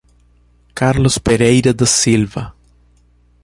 Carlos Pereira da Silva